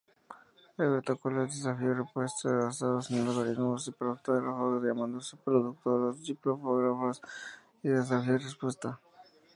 Hay protocolos desafío-respuesta basados en algoritmos criptográficos llamándose protocolos criptográficos de desafío-respuesta.